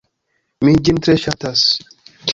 Mi ĝin tre ŝatas.